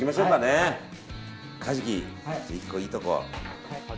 カジキ１個、いいところを。